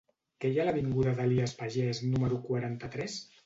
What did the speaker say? Què hi ha a l'avinguda d'Elies Pagès número quaranta-tres?